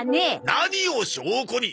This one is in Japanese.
何を証拠に！